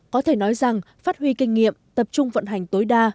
có thể nói rằng phát huy kinh nghiệm tập trung vận hành tối đa